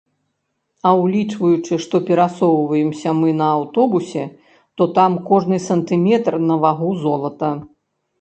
А ўлічваючы, што перасоўваемся мы на аўтобусе, то там кожны сантыметр на вагу золата.